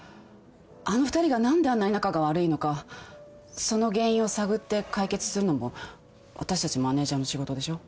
あの２人が何であんなに仲が悪いのかその原因を探って解決するのも私たちマネジャーの仕事でしょ。